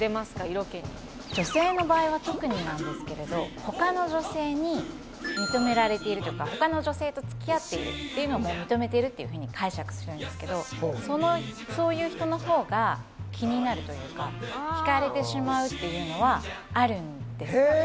色気に女性の場合は特になんですけれど他の女性に認められてるというか他の女性と付き合っているっていうのを認めてるっていうふうに解釈するんですけどそういう人の方が気になるというかひかれてしまうっていうのはあるんですね